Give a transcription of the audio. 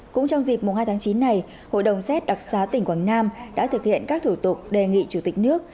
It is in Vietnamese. cũng trong dịp mùng hai tháng chín này hội đồng xét đặc xá tỉnh quảng nam đã thực hiện các thủ tục đề nghị chủ tịch nước